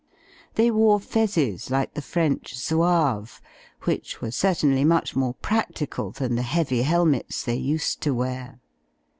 They wore f ezzes like the French Zouaves, which were certainly much more practical than the heavy helmets they used to wear.